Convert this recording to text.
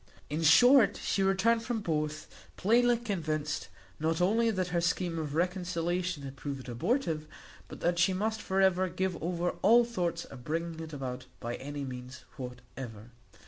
In short, she returned from both, plainly convinced, not only that her scheme of reconciliation had proved abortive, but that she must for ever give over all thoughts of bringing it about by any means whatever.